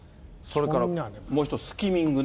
それからもう一つ、スキミングね。